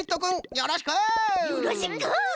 よろしく。